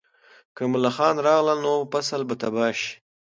که ملخان راغلل، نو فصل به تباه شي.